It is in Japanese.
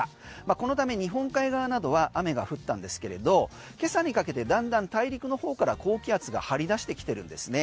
このため日本海側などは雨が降ったんですけれど今朝にかけてだんだん大陸のほうから高気圧が張り出してきてるんですね。